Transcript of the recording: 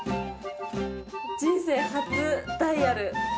人生初ダイヤル。